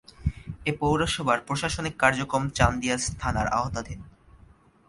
এ পৌরসভার প্রশাসনিক কার্যক্রম চান্দিনা থানার আওতাধীন।